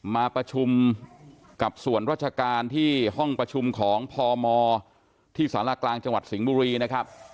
มาประชุมกับส่วนราชการที่ห้องประชุมของพมที่สารกลางจังหวัดสิงห์บุรีนะครับ